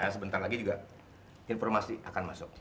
sebentar lagi juga informasi akan masuk